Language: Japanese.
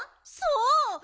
そう！